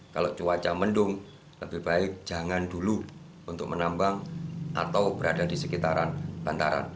kalau cuaca mendung lebih baik jangan dulu untuk menambang atau berada di sekitaran bantaran